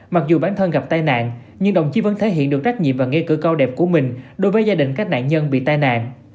mặc dù bản thân gặp tai nạn nhưng đồng chí vẫn thể hiện được trách nhiệm và nghĩa cử cao đẹp của mình đối với gia đình các nạn nhân bị tai nạn